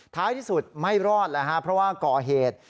ท้ายที่สุดไม่รอดเพราะว่าก่อเหตุ